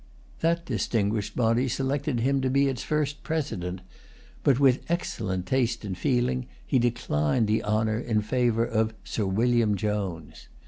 That distinguished body selected him to be its first president; but, with excellent taste and feeling, he declined the honor in favor of Sir William Jones.